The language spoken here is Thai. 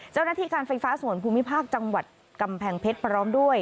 เจ้าหน้าที่การไฟฟ้าส่วนภูมิภาคจังหวัดกำแพงเพชรพร้อมด้วย